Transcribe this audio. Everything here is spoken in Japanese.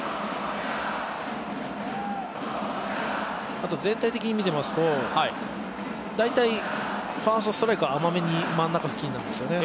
あと全体的に見てみますと大体、ファーストストライクは甘めに真ん中付近なんですよね。